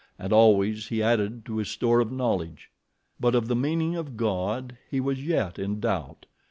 And always he added to his store of knowledge. But of the meaning of GOD he was yet in doubt.